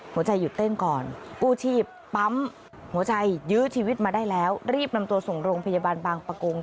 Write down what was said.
หัวใจหยุดเต้นก่อนกู้ชีพปั๊มหัวใจยื้อชีวิตมาได้แล้วรีบนำตัวส่งโรงพยาบาลบางประกง